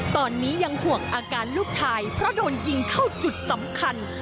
ตอนนี้ยังห่วงอาการลูกชายเพราะโดนยิงเข้าจุดสำคัญ